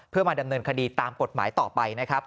เพื่อมาดำเนินคดีตามกฎหมายต่อไปนะครับ